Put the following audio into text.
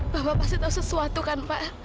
bapak pasti tahu sesuatu kan pak